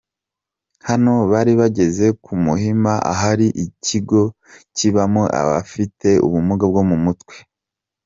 Hano bari bageze ku Muhima ahari ikigo kibamo abafite ubumuga bwo mu mutwe.